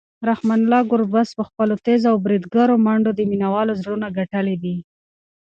رحمان الله ګربز په خپلو تېزو او بریدګرو منډو د مینوالو زړونه ګټلي دي.